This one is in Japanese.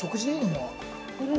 もう。